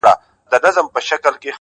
• نه فریاد یې له ستړیا سو چاته کړلای ,